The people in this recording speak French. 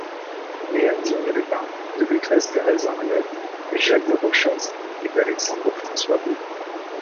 Né à Digne-les-Bains, de Lucrèce Thérèse Henriette Jacques de Rochas et d'Alexandre François Beau.